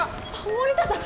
森田さん！